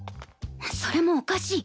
それもおかしい。